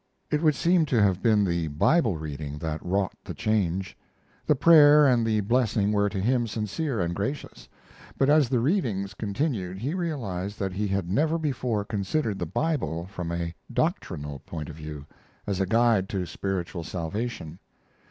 It would seem to have been the Bible reading that wrought the change. The prayer and the blessing were to him sincere and gracious; but as the readings continued he realized that he had never before considered the Bible from a doctrinal point of view, as a guide to spiritual salvation.